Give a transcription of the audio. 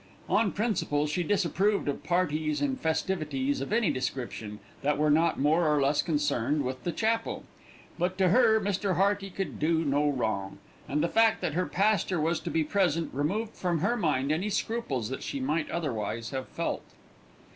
On principle she disapproved of parties and festivities of any description that were not more or less concerned with the chapel; but to her Mr. Hearty could do no wrong, and the fact that their pastor was to be present removed from her mind any scruples that she might otherwise have felt.